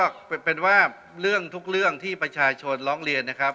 ก็เป็นว่าเรื่องทุกเรื่องที่ประชาชนร้องเรียนนะครับ